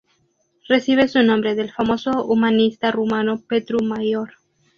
Recibe su nombre del famoso humanista rumano Petru Maior.